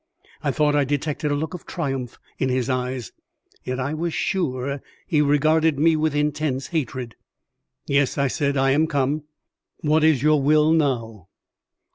I thought I detected a look of triumph in his eyes, yet I was sure he regarded me with intense hatred. "Yes," I said, "I am come. What is your will now?"